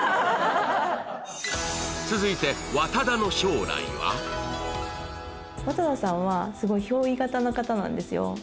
続いて和多田さんはすごい憑依型の方なんですよ